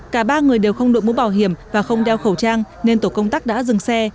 cả ba người đều không đội mũ bảo hiểm và không đeo khẩu trang nên tổ công tác đã dừng xe